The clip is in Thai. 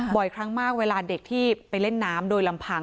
บ่อยครั้งมากเวลาเด็กที่ไปเล่นน้ำโดยลำพัง